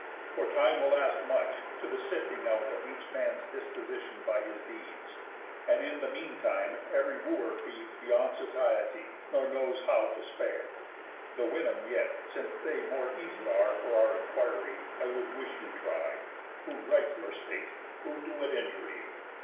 For time will ask much, to the sifting out Of each man's disposition by his deeds; And, in the mean time, ev'ry Wooer feeds Beyond satiety, nor knows how to spare. The women yet, since they more easy are For our inquiry, I would wish you try, Who right your state, who do it injury.